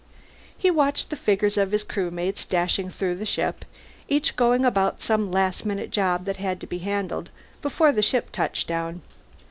He watched the figures of his crewmates dashing through the ship, each going about some last minute job that had to be handled before the ship touched down.